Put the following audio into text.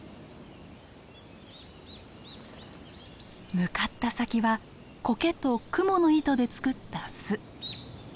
向かった先はコケとクモの糸で作った巣。